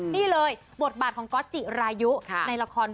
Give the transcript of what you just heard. นี่เลยบทบาทของในละคร